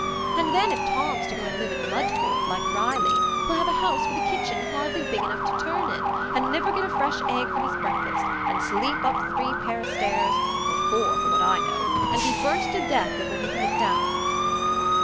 And then, if Tom's to go and live at Mudport, like Riley, he'll have a house with a kitchen hardly big enough to turn in, an' niver get a fresh egg for his breakfast, an' sleep up three pair o' stairs,—or four, for what I know,—and be burnt to death before he can get down."